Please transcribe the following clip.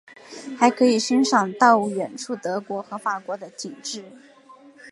还可以欣赏到远处德国和法国的景致。